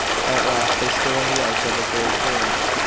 At last they stood on the edge of a great clearing.